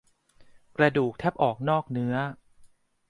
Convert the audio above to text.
กระดูกแทบออกนอกเนื้อ